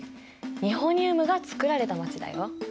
ニホニウムが作られた街だよ。